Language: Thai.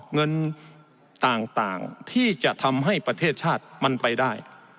เงินต่างที่จะทำให้ประเทศชาติมันไปได้